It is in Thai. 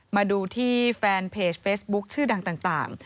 มาดูที่แฟนเพจเฟซบุ๊คชื่อดังต่าง